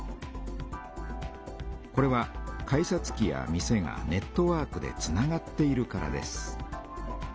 これは改札機や店がネットワークでつながっているからです。